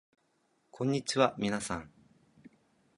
こんにちはみなさん